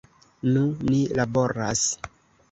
Nu, ni laboras.